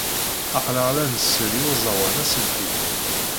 Aql-aɣ la nsell i uẓawan aselti.